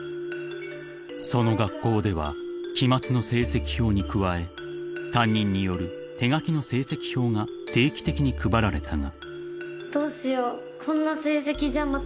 ［その学校では期末の成績表に加え担任による手書きの成績表が定期的に配られたが］